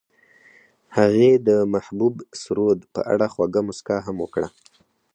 هغې د محبوب سرود په اړه خوږه موسکا هم وکړه.